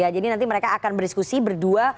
jadi nanti mereka akan berdiskusi berdua